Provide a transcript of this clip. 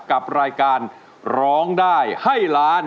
กับรายการร้องได้ให้ล้าน